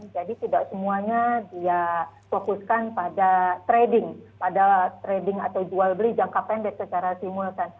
jadi tidak semuanya dia fokuskan pada trading pada trading atau jual beli jangka pendek secara simultan